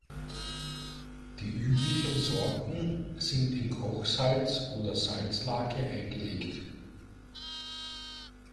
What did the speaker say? Die üblichen Sorten sind in Kochsalz oder Salzlake eingelegt.